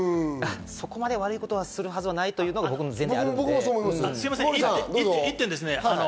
そこまで悪いことをするはずじゃないというのがあるんで、僕は。